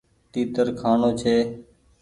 تيتر کآڻو ڇي ۔